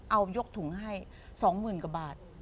เอายกถุงให้๒๐๐๐กว่าบาท